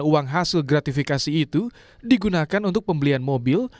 uang hasil gratifikasi itu digunakan untuk pembelian mobil